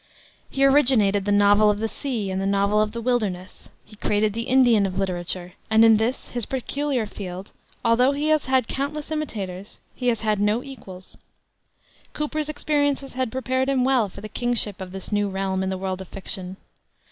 He originated the novel of the sea and the novel of the wilderness. He created the Indian of literature; and in this, his peculiar field, although he has had countless imitators, he has had no equals. Cooper's experiences had prepared him well for the kingship of this new realm in the world of fiction.